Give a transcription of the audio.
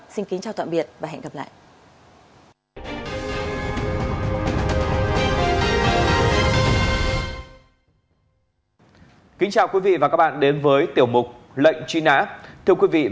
xin kính chào tạm biệt và hẹn gặp lại